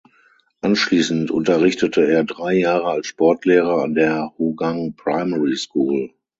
Anschließend unterrichtete er drei Jahre als Sportlehrer an der Hougang Primary School.